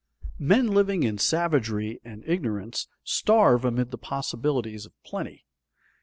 Men living in savagery and ignorance starve amid the possibilities of plenty.